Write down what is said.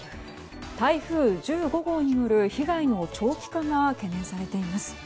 台風１５号による被害の長期化が懸念されています。